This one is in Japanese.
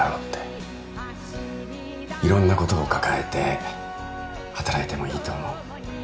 いろんなことを抱えて働いてもいいと思う。